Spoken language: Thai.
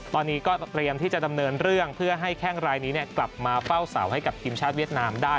ตอนนี้ก็เตรียมที่จะดำเนินเรื่องเพื่อให้แข้งรายนี้กลับมาเฝ้าเสาให้กับทีมชาติเวียดนามได้